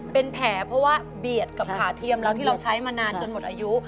เป็นแผลเพราะว่าเบียดกับขาเทียมแล้วที่เราใช้มานานจนหมดอายุ